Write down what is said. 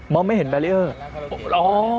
มองไม่เห็นแบรียอร์